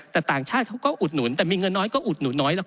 แต่ต่างชาติเขาก็อุดหนุน